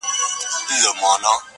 ماجبیني د مهدي حسن آهنګ یم,